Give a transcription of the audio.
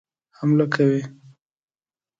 حمله کوي.